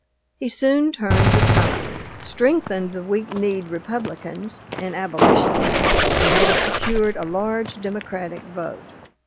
He soon turned the tide, strengthened the weak kneed Republicans and abolitionists, and secured a large Democratic vote.